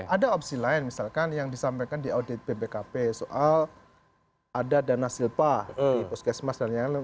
ada opsi lain misalkan yang disampaikan di audit bpkp soal ada dana silpa di puskesmas dan lain lain